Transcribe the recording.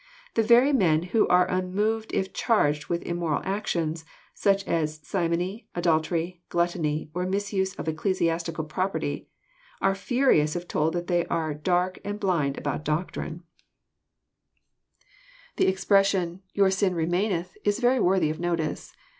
The very men who are unmoved if charged with im moral actions, such as simony, adultery, gluttony, or misuse of ecclesiastical property, are furious if told that they are dark and blind about doctrine. \ 1 ^ 174 EXPOsrroEr thoughts. The expression, "your sin remaineth," is very worthy of notice.